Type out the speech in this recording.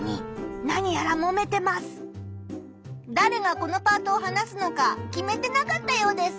だれがこのパートを話すのか決めてなかったようです。